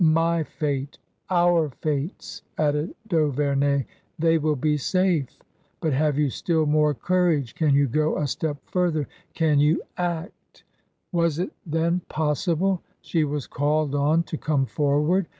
" My fate — our fates," added d'Auverney. " They will be safe." " But have you still more courage ? Can you go a step further ? Can you act V Was it, then, possible ? She was called on to come forward